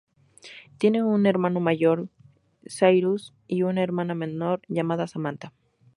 Tiene un hermano mayor, Cyrus, y una hermana menor llamada Samantha.